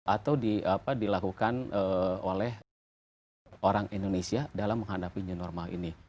atau dilakukan oleh orang indonesia dalam menghadapi new normal ini